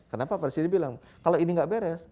kenapa presiden bilang kalau ini nggak beres